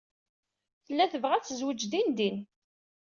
Tella tebɣa ad tezwej dindin.